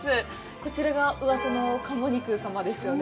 こちらがうわさの鴨肉様ですよね？